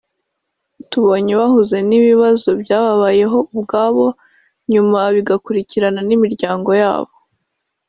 tubonye ibahuze n’ibibazo byababayeho ubwabo nyuma bigakurikirana n’imiryango yabo